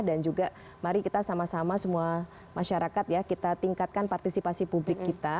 dan juga mari kita sama sama semua masyarakat ya kita tingkatkan partisipasi publik kita